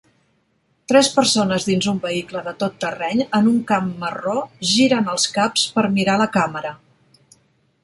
Tres persones dins un vehicle de tot terreny en un camp marró giren els caps per mirar la càmera.